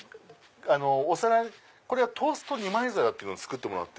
これはトースト２枚皿っていうの作ってもらって。